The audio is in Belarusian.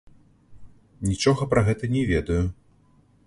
Нічога пра гэта не ведаю.